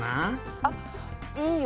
あっいいよ。